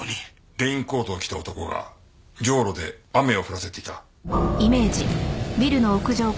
レインコートを着た男がじょうろで雨を降らせていた。